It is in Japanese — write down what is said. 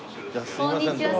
こんにちは。